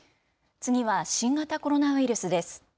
次は新型コロナウイルスです。